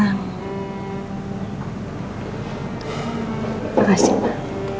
terima kasih mbak